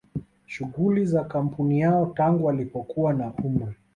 shughuli za kampuni yao tangu alipokuwa na umri